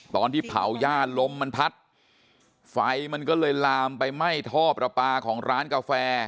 ตอนที่เผาย่าลมมันพัดไฟมันก็เลยลามไปไหม้ท่อประปาของร้านกาแฟ